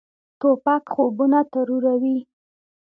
توپک خوبونه تروروي.